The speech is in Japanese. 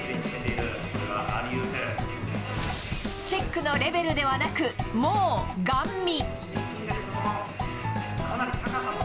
チェックのレベルではなくもう、ガン見！